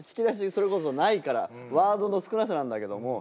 それこそないからワードの少なさなんだけども。